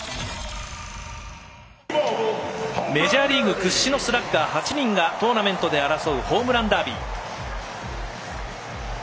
メジャーリーグ屈指のスラッガー８人がトーナメントで争うホームランダービー。